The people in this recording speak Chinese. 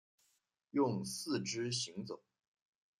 用四肢行走。